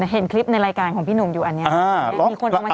เห็นคลิปในรายการของพี่หนุ่มอยู่อันนี้